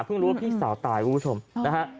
รู้ว่าพี่สาวตายคุณผู้ชมนะฮะ